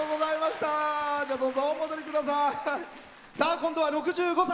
今度は６５歳。